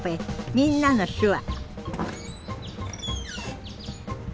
「みんなの手話」